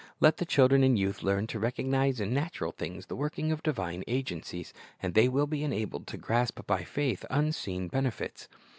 Let the children and youth learn to recognize in natural things the working of divine agencies, and they will be enabled to grasp by faith unseen benefits.